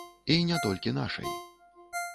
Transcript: І не толькі нашай.